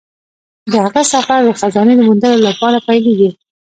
د هغه سفر د خزانې د موندلو لپاره پیلیږي.